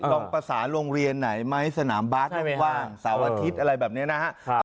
ลองประสานโรงเรียนไหนไหมสนามบัตรบ้างสาวอาทิตย์อะไรแบบนี้นะ